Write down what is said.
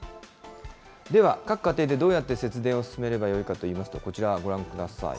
では、各家庭でどうやって節電を進めればよいかといいますと、こちらご覧ください。